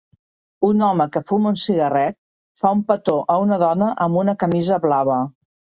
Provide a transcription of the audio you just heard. Un home que fuma un cigarret fa un petó a una dona amb una camisa blava.